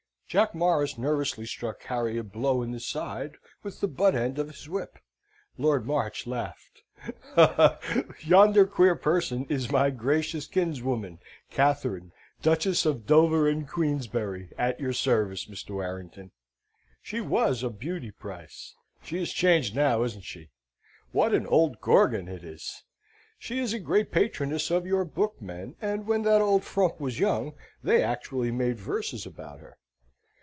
Jack Morris nervously struck Harry a blow in the side with the butt end of his whip. Lord March laughed. "Yonder queer person is my gracious kinswoman, Katharine, Duchess of Dover and Queensberry, at your service, Mr. Warrington. She was a beauty price! She is changed now, isn't she? What an old Gorgon it is! She is a great patroness of your book men and when that old frump was young, they actually made verses about her."